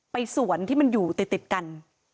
สวนที่มันอยู่ติดกัน